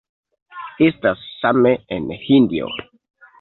Estas same en Hindio.